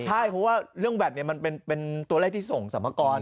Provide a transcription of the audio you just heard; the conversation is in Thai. ใช่เพราะว่าเรื่องแบตมันเป็นตัวเลขที่ส่งสรรพากร